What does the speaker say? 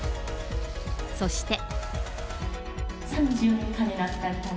そして。